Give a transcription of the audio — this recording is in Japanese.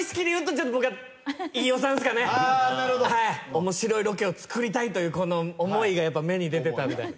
面白いロケを作りたいというこの思いが目に出てたんで。